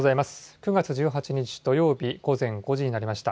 ９月１８日土曜日午前５時になりました。